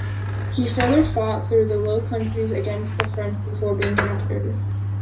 He further fought through the Low Countries against the French before being captured.